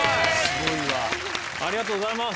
ありがとうございます。